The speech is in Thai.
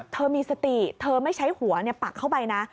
เธอมีสติเธอไม่ใช้หัวปักเข้าไปนะ